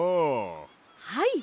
はい！